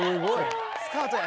「スカートや」